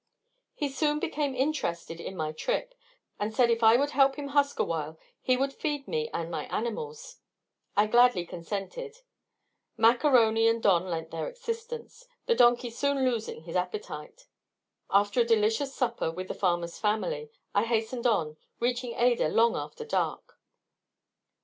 He soon became interested in my trip, and said if I would help him husk awhile he would feed me and my animals. I gladly consented; Mac A'Rony and Don lent their assistance, the donkey soon losing his appetite. After a delicious supper with the farmer's family, I hastened on, reaching Ada long after dark.